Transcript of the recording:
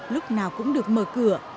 lúc nào cũng được mở cửa